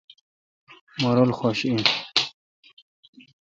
مہ رل خش این۔